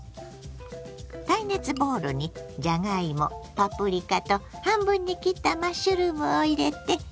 耐熱ボウルにじゃがいもパプリカと半分に切ったマッシュルームを入れて。